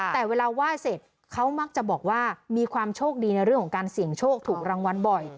แต่เวลาไหว้เสร็จเขามักจะบอกว่ามีความโชคดีในเรื่องของการเสี่ยงโชคถูกรางวัลบ่อย